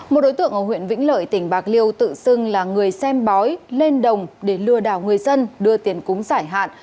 một đối tượng ở huyện vĩnh lợi tỉnh bạc liêu tự xưng là người xem bói lên đồng để lừa đảo người dân đưa tiền cúng giải hạn